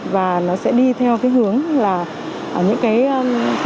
và nó sẽ đi theo cái hướng là những cái